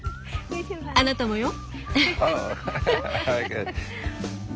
あなたもよ。